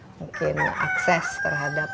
mungkin akses terhadap